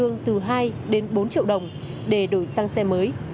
tương đương từ hai đến bốn triệu đồng để đổi sang xe mới